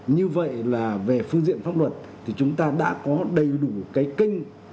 như vậy là về phương diện pháp luật thì chúng ta đã có đầy đủ cái kênh